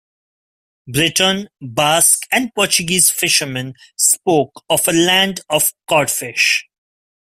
Breton, Basque, and Portuguese fishermen spoke of "a land of codfish".